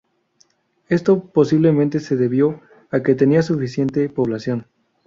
Esto posiblemente se debió a que tenía suficiente población.